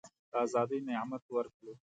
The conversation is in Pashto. د آزادی نعمت ورکړو.